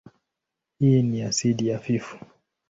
Hii ni asidi hafifu.